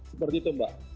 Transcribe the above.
seperti itu mbak